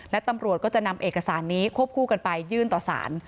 และตำรวจก็จะนำเอกสารนี้ควบคู่กันไปยื่นต่อสาร